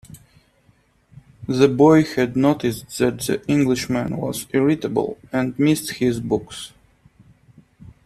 The boy had noticed that the Englishman was irritable, and missed his books.